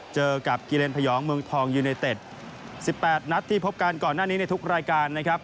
เจอกับกิเลนพยองเมืองทองยูเนเต็ดสิบแปดนัดที่พบกันก่อนหน้านี้ในทุกรายการนะครับ